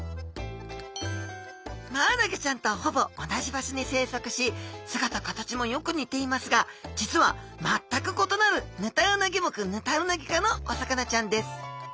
マアナゴちゃんとほぼ同じ場所に生息し姿形もよく似ていますが実は全く異なるヌタウナギ目ヌタウナギ科のお魚ちゃんです。